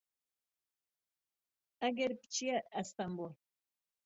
ئەگەر پچیە ئەستەمبول